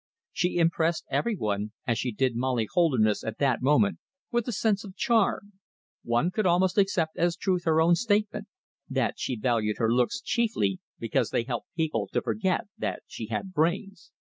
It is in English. She impressed every one, as she did Molly Holderness at that moment, with a sense of charm. One could almost accept as truth her own statement that she valued her looks chiefly because they helped people to forget that she had brains.